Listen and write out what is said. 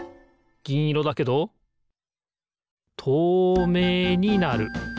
ぎんいろだけどとうめいになる。